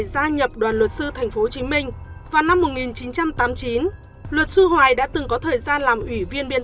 gia nhập đoàn luật sư tp hcm vào năm một nghìn chín trăm tám mươi chín luật sư hoài đã từng có thời gian làm ủy viên biên